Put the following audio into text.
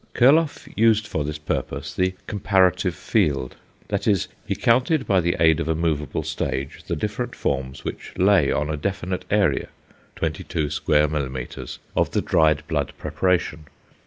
Kurloff used for this purpose the "comparative field"; that is, he counted by the aid of a moveable stage the different forms which lay on a definite area (22 sq. mm.) of the dried blood preparation.